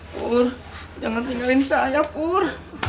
pur jangan tinggalin saya pur